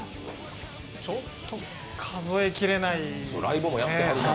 ちょっと数えきれないですね。